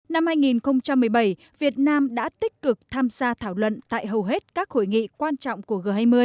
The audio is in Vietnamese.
năm hai nghìn một mươi bảy việt nam đã tích cực tham gia thảo luận tại hầu hết các hội nghị quan trọng của g hai mươi